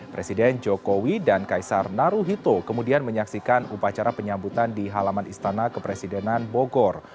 presiden jokowi dan kaisar naruhito kemudian menyaksikan upacara penyambutan di halaman istana kepresidenan bogor